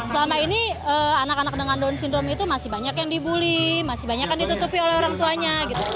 selama ini anak anak dengan down syndrome itu masih banyak yang dibully masih banyak yang ditutupi oleh orang tuanya